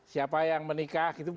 siapa yang menikah gitu